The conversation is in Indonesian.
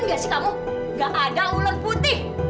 gak ada ular putih